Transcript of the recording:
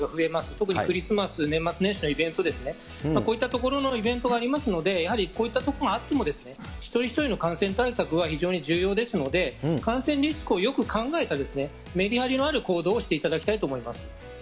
特にクリスマス、年末年始のイベントですね、こういったところのイベントがありますので、やはりこういったところがあっても、一人一人の感染対策は非常に重要ですので、感染リスクをよく考えた、メリハリのある行動をしていただきたいと思います。